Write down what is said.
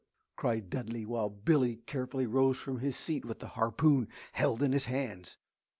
cried Dudley, while Billy carefully rose from his seat with the harpoon held in his hands.